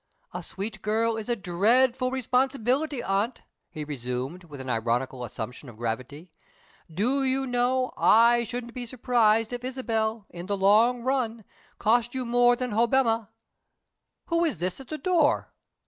"A sweet girl is a dreadful responsibility, aunt," he resumed, with an ironical assumption of gravity. "Do you know, I shouldn't be surprised if Isabel, in the long run, cost you more than Hobbema. Who is this at the door?"